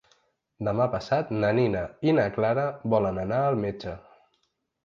Demà passat na Nina i na Clara volen anar al metge.